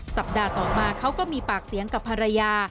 สัปดาห์ต่อมาเขาก็มีปากเสียงกับภรรยา